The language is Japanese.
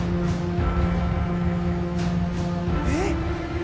えっ？